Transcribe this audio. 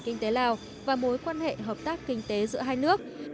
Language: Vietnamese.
kinh tế lào và mối quan hệ hợp tác kinh tế giữa hai nước